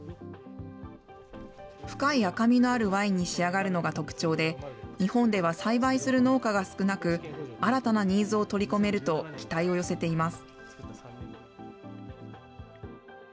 深い赤みのあるワインに仕上がるのが特徴で、日本では栽培する農家が少なく、新たなニーズを取り込めると期待を寄せています。